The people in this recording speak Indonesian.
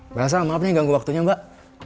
mbak elsa maaf nih ganggu waktunya mbak